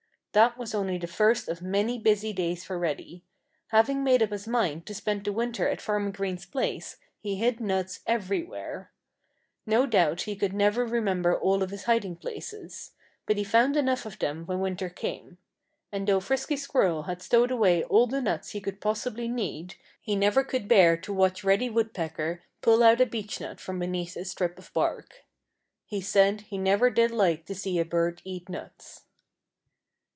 That was only the first of many busy days for Reddy. Having made up his mind to spend the winter at Farmer Green's place he hid nuts everywhere. No doubt he never could remember all of his hiding places. But he found enough of them when winter came. And though Frisky Squirrel had stowed away all the nuts he could possibly need, he never could bear to watch Reddy Woodpecker pull out a beechnut from beneath a strip of bark. He said he never did like to see a bird eat nuts.